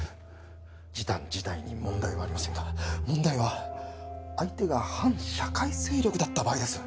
示談自体に問題はありませんが問題は相手が反社会勢力だった場合です。